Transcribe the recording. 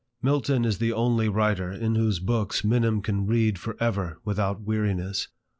Milton is the only writer in whose books Minim can read for ever without weariness.